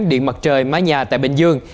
điện mặt trời mái nhà tại bình dương